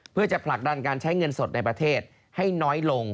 เพื่อจะผลักดันการใช้เงินสดในประเทศให้น้อยลง